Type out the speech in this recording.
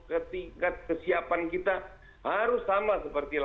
ketika kesiapan kita harus sama seperti lalu